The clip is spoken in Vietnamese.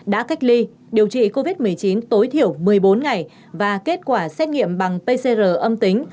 đã cách ly điều trị covid một mươi chín tối thiểu một mươi bốn ngày và kết quả xét nghiệm bằng pcr âm tính